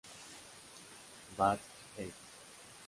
Bat., ed.